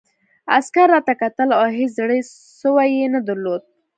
عسکر راته کتل او هېڅ زړه سوی یې نه درلود